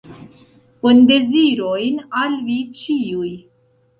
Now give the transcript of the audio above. Bondezirojn al vi ĉiuj!